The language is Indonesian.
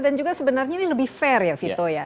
dan juga sebenarnya ini lebih fair ya vito